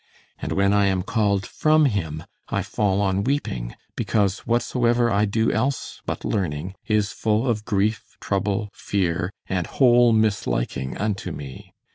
And when I am called from him, I fall on weeping, because whatsoever I do else but learning, is full of grief, trouble, fear, and whole misliking unto me.